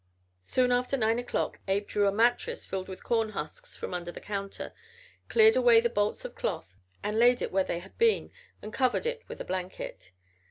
Soon after nine o'clock Abe drew a mattress filled with corn husks from under the counter, cleared away the bolts of cloth and laid it where they had been and covered it with a blanket.